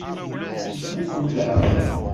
Yeffeɣ-ikent leɛqel?